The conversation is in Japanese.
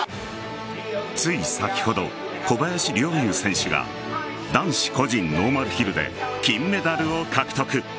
つい先ほど、小林陵侑選手が男子個人ノーマルヒルで金メダルを獲得。